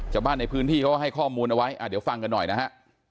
ชาวบ้านในพื้นที่เขาให้ข้อมูลเอาไว้เดี๋ยวฟังกันหน่อยนะฮะ